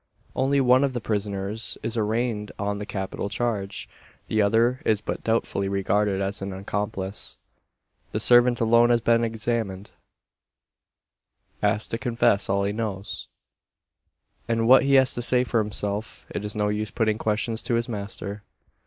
Only one of the prisoners is arraigned on the capital charge; the other is but doubtfully regarded as an accomplice. The servant alone has been examined asked to confess all he knows, and what he has to say for himself. It is no use putting questions to his master.